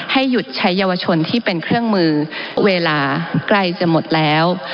ให้หยุดใช้เยาวชนที่เป็นเครื่องมือเวลาใกล้จะหมดแล้ว